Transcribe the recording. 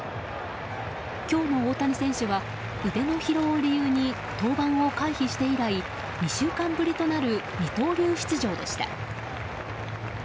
今日の大谷選手は腕の疲労を理由に、登板を回避して以来２週間ぶりとなる二刀流出場でした。